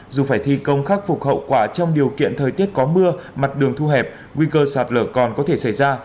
dù phải thi công khắc phục hậu quả trong điều kiện thời tiết có mưa mặt đường thu hẹp nguy cơ sạt lở còn có thể xảy ra